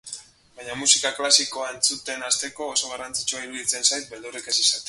Baina musika klasikoa entzuten hasteko oso garrantzitsua iruditzen zait beldurrik ez izatea.